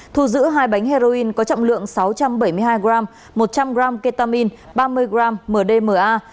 thu giữ hai bánh heroin có trọng lượng sáu trăm bảy mươi hai g một trăm linh g ketamine ba mươi gram mdma